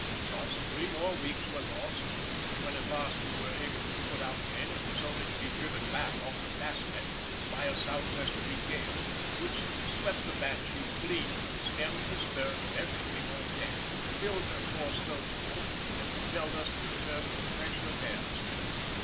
Thus three more weeks were lost, and when at last we were able to put out again it was only to be driven back off the Fastnet by a south westerly gale, which swept the Banshee clean from stem to stern of everything on deck, filled her fore stoke hole, and compelled us to return for fresh repairs.